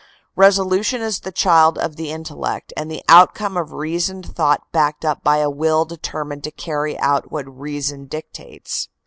Resolution is the child of the intellect and the outcome of reasoned thought backed up by a will deter mined to carry out what reason dictates.